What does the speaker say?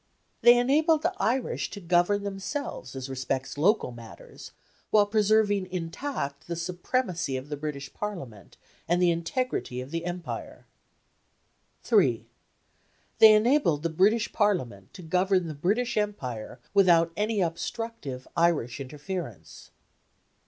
They enabled the Irish to govern themselves as respects local matters, while preserving intact the supremacy of the British Parliament and the integrity of the Empire. 3. They enabled the British Parliament to govern the British Empire without any obstructive Irish interference.